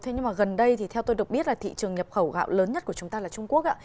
thế nhưng mà gần đây thì theo tôi được biết là thị trường nhập khẩu gạo lớn nhất của chúng ta là trung quốc